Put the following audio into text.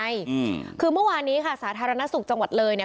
ติดนี่มันยังไงอืมคือเมื่อวานี้ค่ะสาธารณสุขจังหวัดเลยเนี่ย